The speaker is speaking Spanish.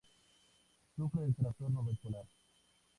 Sufre de trastorno bipolar.